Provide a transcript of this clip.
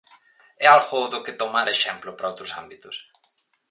É algo do que tomar exemplo para outros ámbitos?